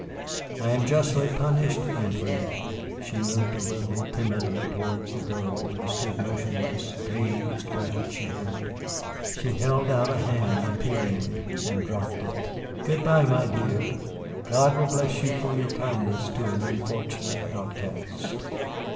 I am justly punished, Antoinette." She moved a little, timidly, towards the girl, who stood motionless, dazed by what she heard. She held out a hand, appealingly, and dropped it. "Good by, my dear; God will bless you for your kindness to an unfortunate outcast."